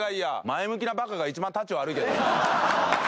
前向きなバカが一番たち悪いけどな。